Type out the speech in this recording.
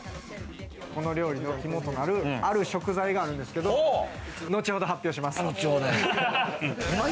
この料理の肝となるある食材があるんですけど、後ほど発表します。